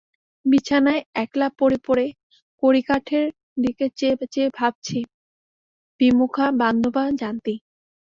বিছানায় একলা পড়ে পড়ে কড়িকাঠের দিকে চেয়ে চেয়ে ভাবছি, বিমুখা বান্ধবা যান্তি।